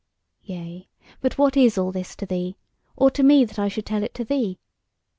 Yea, but what is all this to thee; or to me that I should tell it to thee?